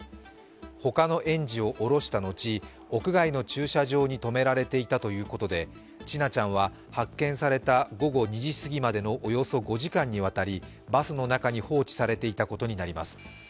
他の園児を降ろした後、屋外の駐車場に止められていたということで千奈ちゃんは発見された午後２時すぎまでのおよそ５時間にわたりバスの中に放置されていたことになります。